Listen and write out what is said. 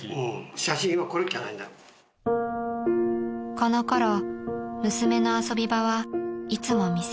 ［このころ娘の遊び場はいつも店］